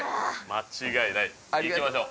間違いないいきましょう